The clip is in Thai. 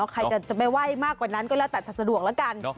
ใครจะไปไหว้มากกว่านั้นก็ละตัดสะดวกละกัน